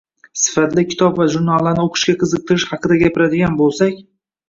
sifatli kitob va jurnallarni o‘qishga qiziqtirish haqida gapiradigan bo‘lsak